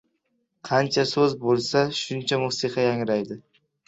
• Qancha soz bo‘lsa, shuncha musiqa yangraydi.